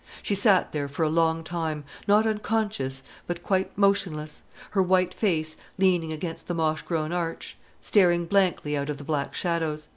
She sat there for a long time, not unconscious, but quite motionless, her white face leaning against the moss grown arch, staring blankly out of the black shadows.